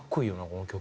この曲。